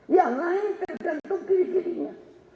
yang lain tergantung kiri kirinya